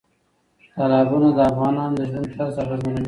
تالابونه د افغانانو د ژوند طرز اغېزمنوي.